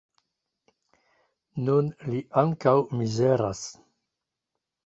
Nun li ankaŭ mizeras.